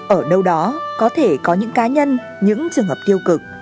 ở đâu đó có thể có những cá nhân những trường hợp tiêu cực